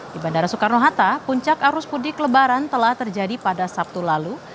di bandara soekarno hatta puncak arus mudik lebaran telah terjadi pada sabtu lalu